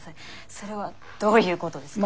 それはどういうことですか？